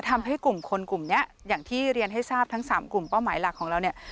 ทำให้กลุ่มคนกลุ่มนี้อย่างที่เรียนให้ทราบทั้ง๓กลุ่มเป้าหมายหลักของเราเนี่ย